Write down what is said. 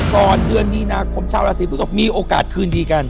ก่อนเดือนมีนาคมชาวราศีพฤศพมีโอกาสคืนดีกัน